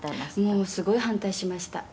「もうすごい反対しました」